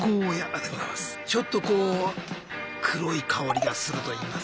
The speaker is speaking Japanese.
ちょっとこう黒い香りがするといいますか。